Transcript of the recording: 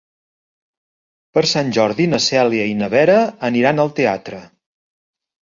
Per Sant Jordi na Cèlia i na Vera aniran al teatre.